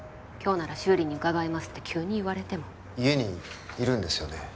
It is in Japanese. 「今日なら修理に伺います」って急に言われても家にいるんですよね？